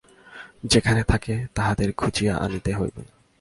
যেখানে থাকে তাহাদের খুঁজিয়া আনিতে হইবে!